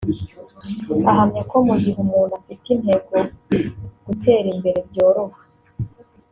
ahamya ko mu gihe umuntu afite intego gutera imbere byoroha